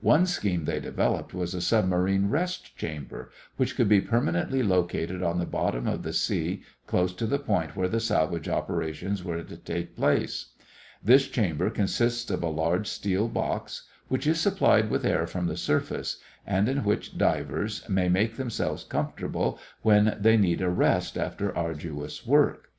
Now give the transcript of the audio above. One scheme they developed was a submarine rest chamber which could be permanently located on the bottom of the sea close to the point where the salvage operations were to take place. This chamber consists of a large steel box which is supplied with air from the surface and in which divers may make themselves comfortable when they need a rest after arduous work.